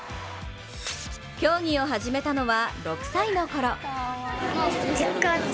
競技を始めたのは６歳のころ。